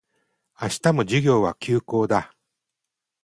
明日も授業は休講だ